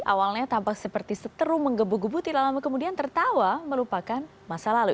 awalnya tampak seperti seteru menggebu gebu tidak lama kemudian tertawa melupakan masa lalu